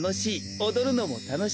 おどるのもたのしい。